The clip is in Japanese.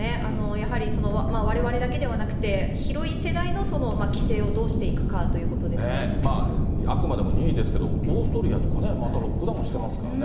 やはりわれわれだけではなくて、広い世代の規制をどうしていくかあくまでも任意ですけど、オーストリアとかね、またロックダウンしてますからね。